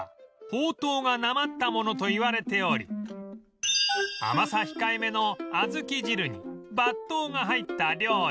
「ほうとう」がなまったものといわれており甘さ控えめのあずき汁にばっとうが入った料理